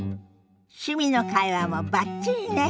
趣味の会話もバッチリね。